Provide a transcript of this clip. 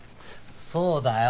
そうだよ。